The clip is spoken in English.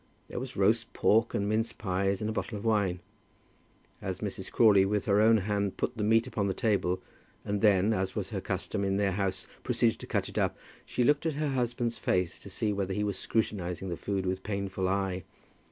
There was roast pork and mince pies, and a bottle of wine. As Mrs. Crawley with her own hand put the meat upon the table, and then, as was her custom in their house, proceeded to cut it up, she looked at her husband's face to see whether he was scrutinizing the food with painful eye.